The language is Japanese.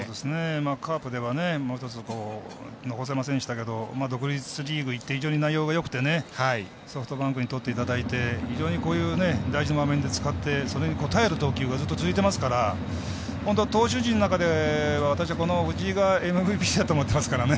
カープではいまひとつ残せませんでしたけど独立リーグいって非常に内容がよくてソフトバンクにとっていただいてこういう大事な場面で使ってそれにこたえるピッチング続いてますから本当、投手陣の中で私は、この藤井がＭＶＰだと思ってますからね。